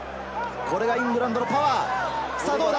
これがイングランドのパワー。